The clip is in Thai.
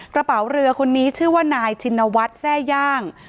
กระเป๋าเรือคนนี้ชื่อว่านายชินวัฒน์แทร่ย่าง